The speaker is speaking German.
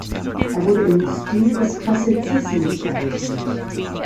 Er wurde im Stil des Klassizismus errichtet.